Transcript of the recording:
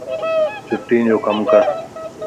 چھڻين جو ڪم ڪر